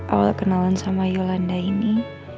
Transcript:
awal kenalan sama yolanda ini